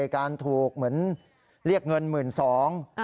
การถูกเหมือนเรียกเงินหมื่นสอง